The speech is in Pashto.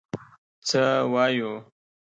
څه وایو.